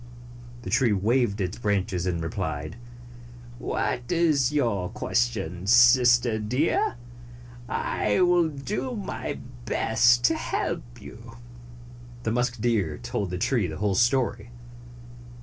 The tree waved its branches and replied, "What is your question, Sister Deer? I will do my best to help you." The musk deer told the tree the whole story.